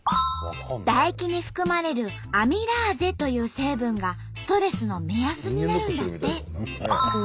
唾液に含まれるアミラーゼという成分がストレスの目安になるんだって。